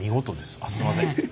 あっすいません。